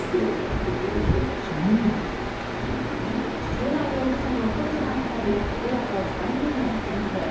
瑠奈容疑者の祖父が語る親子３人の関係。